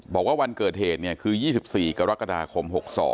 บอกว่าวันเกิดเหตุคือ๒๔กรกฎาคม๖๒